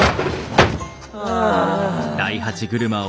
ああ。